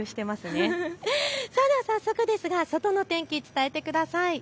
早速ですが外の天気、伝えてください。